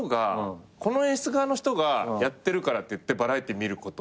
この演出家の人がやってるからっていってバラエティー見ることないっすか？